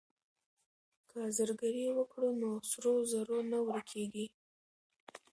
که زرګري وکړو نو سرو زرو نه ورکيږي.